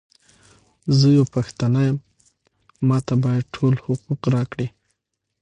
زۀ یوه پښتانه یم، ماته باید ټول حقوق راکړی!